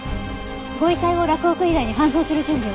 ご遺体を洛北医大に搬送する準備を。